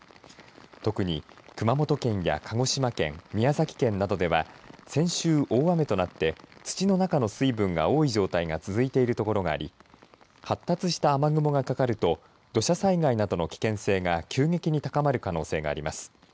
特に熊本県や鹿児島県宮崎県などでは先週、大雨となって土の中の水分が多い状態が続いている所があり発達した雨雲がかかると土砂災害などの危険性が急激に高まる可能性があります。